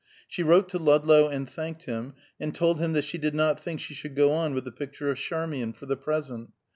She wrote to Ludlow and thanked him, and told him that she did not think she should go on with the picture of Charmian, for the present.